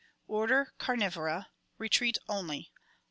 Order Camivora (retreat only).